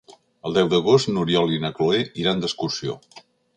El deu d'agost n'Oriol i na Cloè iran d'excursió.